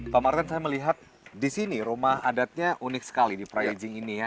pak martin saya melihat di sini rumah adatnya unik sekali di praijing ini ya